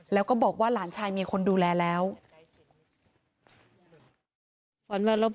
แล้วก็บอกว่าหลานชายมีคนดูแลแล้ว